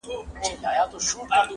o چي یې تاب د هضمېدو نسته وجود کي,